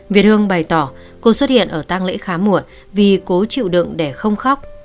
việt hương bày tỏ cô xuất hiện ở tăng lễ khá muộn vì cố chịu đựng để không khóc